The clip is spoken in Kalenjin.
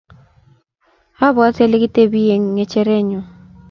abwatii ale kitepii eng ngechereenyu.